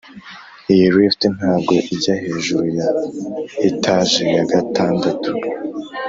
iyi lift ntabwo ijya hejuru ya etage ya gatandatu.